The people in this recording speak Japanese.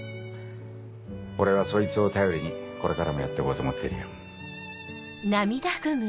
俺はそいつを頼りにこれからもやっていこうと思ってるよ。